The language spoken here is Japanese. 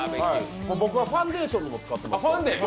僕はファンデーションにも使ってます。